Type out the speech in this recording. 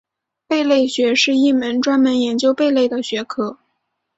贝类学是一门专门研究贝类的学科。